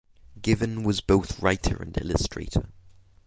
Given was both writer and illustrator.